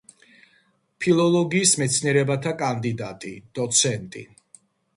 ფილოლოგიის მეცნიერებათა კანდიდატი, დოცენტი.